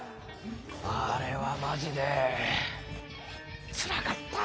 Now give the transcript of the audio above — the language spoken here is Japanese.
あれはマジでつらかった。